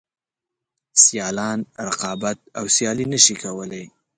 سیالان رقابت او سیالي نشي کولای.